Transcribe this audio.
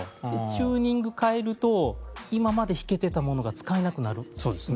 チューニング変えると今まで弾けてたものが使えなくなるんですよ。